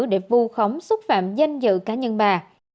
để vu khống xúc phạm danh dự cá nhân bà